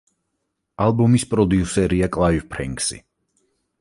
ალბომის პროდიუსერია კლაივ ფრენკსი.